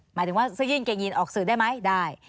หมายถึงว่าซึ่งยินเกงยินออกสื่อได้ไหมได้